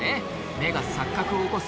目が錯覚を起こす